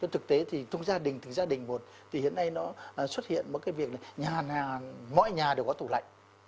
thực tế thì trong gia đình thì gia đình một thì hiện nay nó xuất hiện một cái việc là nhà mọi nhà đều có tủ lạnh